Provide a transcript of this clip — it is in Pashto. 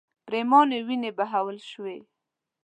پرېمانې وینې بهول شوې.